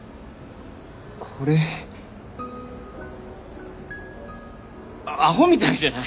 これアホみたいじゃない？